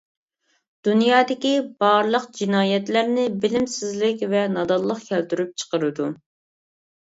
دۇنيادىكى بارلىق جىنايەتلەرنى بىلىمسىزلىك ۋە نادانلىق كەلتۈرۈپ چىقىرىدۇ.